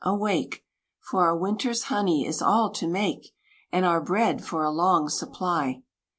awake! For our winter's honey is all to make, And our bread for a long supply!"